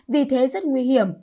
vì thế rất nguy hiểm